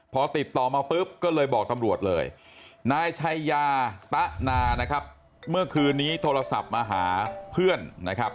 พอติดต่อมาปุ๊บก็เลยบอกตำรวจเลยนายชัยยาตะนานะครับเมื่อคืนนี้โทรศัพท์มาหาเพื่อนนะครับ